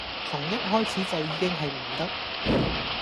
從一開始就已經係唔得